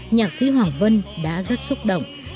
nhạc sĩ hoàng vân đã rất xúc động